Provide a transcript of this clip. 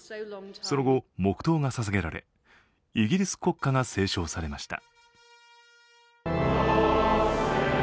その後、黙とうがささげられイギリス国歌が斉唱されました。